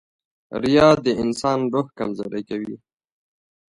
• ریا د انسان روح کمزوری کوي.